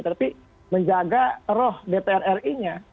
tapi menjaga roh dpr ri nya